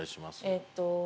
えっと